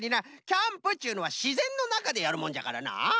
キャンプっちゅうのはしぜんのなかでやるもんじゃからなあ。